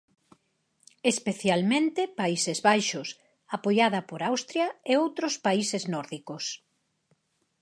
Especialmente Países Baixos, apoiada por Austria e outros países nórdicos.